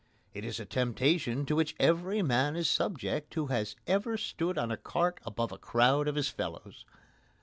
It is a temptation to which every man is subject who has ever stood on a cart above a crowd of his fellows.